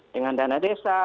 dengan dana desa